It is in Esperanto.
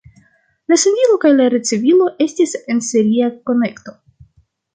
La sendilo kaj la ricevilo estis en seria konekto.